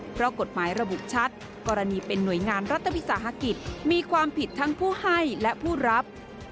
เพราะกฎหมายระบุชัดกรณีเป็นหน่วยงานรัฐวิสาหกิจมีความผิดทั้งผู้ให้และผู้รับ